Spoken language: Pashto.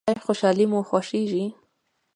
ایا خوشحالي مو خوښیږي؟